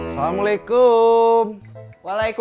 jadi kayaknya kamu mau l delve n muncul